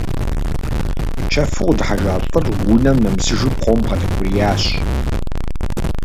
Чэфу къыдыхьэжа лӏыр унэм нэмысыжу пкъом бгъэдэкӏуриящ.